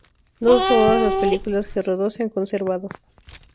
No todas las películas que rodó se han conservado.